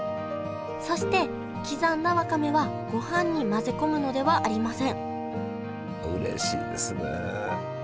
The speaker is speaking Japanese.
そして刻んだわかめはごはんに混ぜ込むのではありませんうれしいですね。